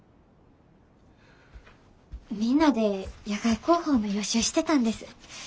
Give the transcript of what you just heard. みんなで野外航法の予習してたんです。